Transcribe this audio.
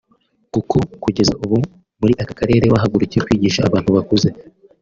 kuko kugeza muri aka karere bahagurukiye kwigisha abantu bakuze